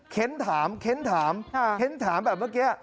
เค้นถามเค้นถามเมื่อกี้